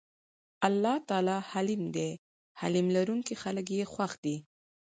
الله تعالی حليم دی حِلم لرونکي خلک ئي خوښ دي